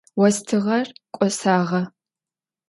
Остыгъэр кӏосагъэ.